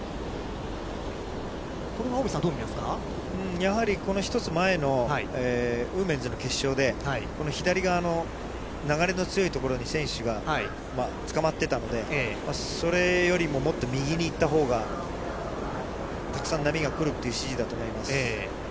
やはり、この１つ前のウーメンズの決勝で、この左側の流れの強い所に選手がつかまってたので、それよりももっと右に行ったほうがたくさん波が来るという指示だと思います。